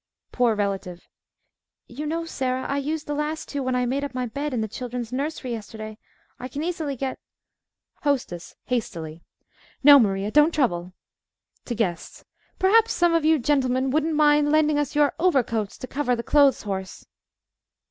POOR RELATIVE You know, Sarah, I used the last two when I made up my bed in the children's nursery yesterday. I can easily get HOSTESS (hastily) No, Maria, don't trouble. (To guests) Perhaps, some of you gentlemen wouldn't mind lending us your overcoats to cover the clothes horse?